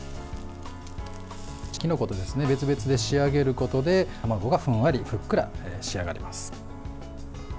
きのこと別々で仕上げることで卵がふんわり、ふっくら仕上がります。